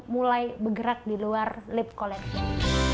mulai bergerak di luar lip collection